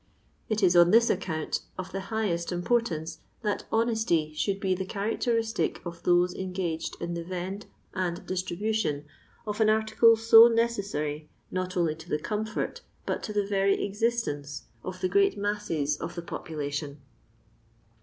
It is on this account of the highest importance, that honesty should be the characteristic of those engaged in the vend and distribution of an article so neces sary not only to the comfort but to the very existence of the great masses of the population.